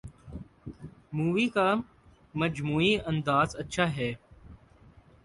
movie کا مجموعی انداز اچھا ہے